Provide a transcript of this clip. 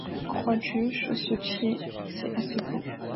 Croix-Dieu ! chaussetier, c’est assez beau.